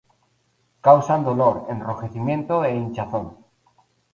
Causan dolor, enrojecimiento e hinchazón.